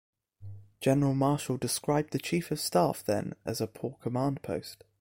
General Marshall described the chief of staff then as a poor command post.